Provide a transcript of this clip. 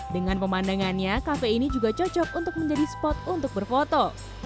dengan pemandangannya kafe ini juga cocok untuk menjadi spot untuk berfoto